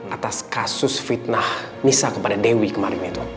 atas kasus fitnah nisa kepada dewi kemarin itu